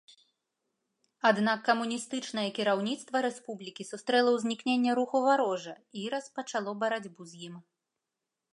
Аднак камуністычнае кіраўніцтва рэспублікі сустрэла ўзнікненне руху варожа і распачало барацьбу з ім.